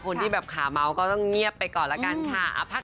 คนที่แบบขาเมาก็ต้องเงียบไปก่อนละกันค่ะ